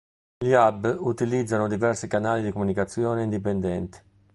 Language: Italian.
Gli hub utilizzano diversi canali di comunicazione indipendenti.